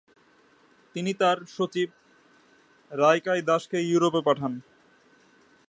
তিনি তার সচিব রাইকাইদাসকে ইউরোপ পাঠান।